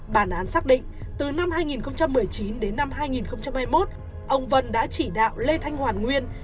bản án xác định từ năm hai nghìn một mươi chín đến năm hai nghìn hai mươi một ông vân đã chỉ đạo lê thanh hoàn nguyên